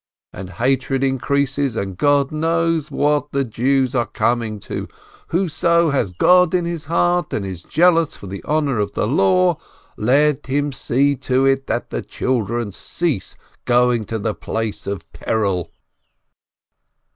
And hatred increases, and God knows what the Jews are coming to! Whoso has God in his heart, and is jealous for the honor of 'the Law, let him see to it that the children cease going to the place of peril